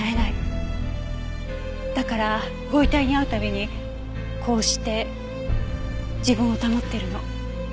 だからご遺体に会うたびにこうして自分を保ってるの。